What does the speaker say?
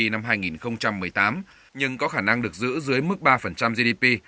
năm hai nghìn một mươi tám nhưng có khả năng được giữ dưới mức ba gdp